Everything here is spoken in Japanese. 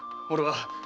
俺は！